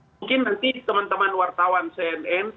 mungkin nanti teman teman wartawan cnn